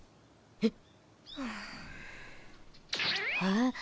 えっ。